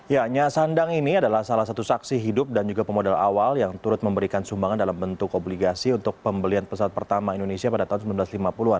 ya nya sandang ini adalah salah satu saksi hidup dan juga pemodal awal yang turut memberikan sumbangan dalam bentuk obligasi untuk pembelian pesawat pertama indonesia pada tahun seribu sembilan ratus lima puluh an